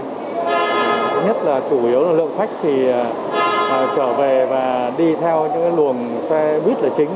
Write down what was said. thứ nhất là chủ yếu là lượng khách thì trở về và đi theo những luồng xe buýt là chính